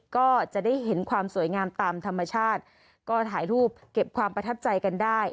ก็จะได้เห็นความสวยงามตามธรรมชาติก็ถ่ายรูปเก็บความประทับใจกันได้